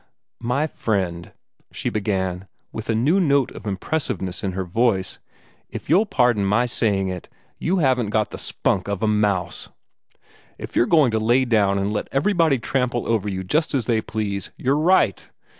"My friend," she began, with a new note of impressiveness in her voice, "if you'll pardon my saying it, you haven't got the spunk of a mouse. If you're going to lay down, and let everybody trample over you just as they please, you're right!